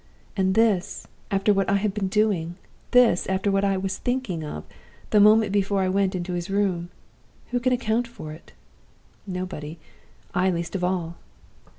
And this, after what I have been doing! this, after what I was thinking of, the moment before I went into his room! Who can account for it? Nobody I least of all!